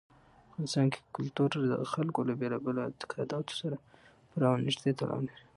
افغانستان کې کلتور د خلکو له بېلابېلو اعتقاداتو سره پوره او نږدې تړاو لري.